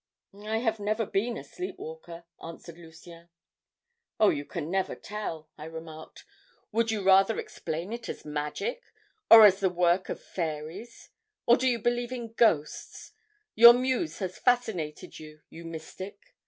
"'I have never been a sleep walker,' answered Lucien. "'Oh, you never can tell,' I remarked. 'Would you rather explain it as magic? Or as the work of fairies? Or do you believe in ghosts? Your muse has fascinated you, you mystic!'